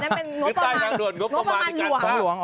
อันนั้นเป็นงบประมาณหลวง